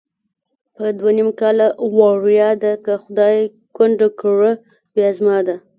په دوه نیم کله وړیا ده، که خدای کونډه کړه بیا زما ده